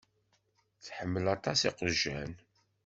Tḥemmel aṭas iqjan.